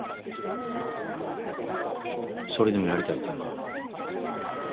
それでもやりたいっていうんか？